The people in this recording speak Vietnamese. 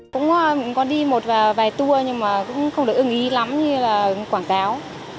cũng có đi một vài tour nhưng mà cũng không được ưng ý lắm như là quảng cáo